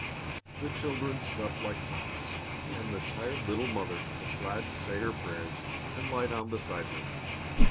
The children slept like tops, and the tired little mother was glad to say her prayers, and lie down beside them.